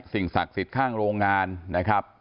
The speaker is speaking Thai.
สิ่งศักดิ์สิทธิ์ข้างโรงงานนะครับ